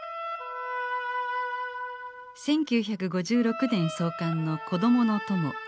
１９５６年創刊の「こどものとも」。